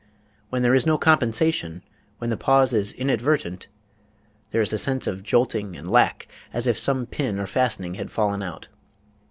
When there is no compensation, when the pause is inadvertent ... there is a sense of jolting and lack, as if some pin or fastening had fallen out.